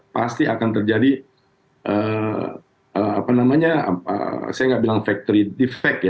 pasti akan terjadi factory defect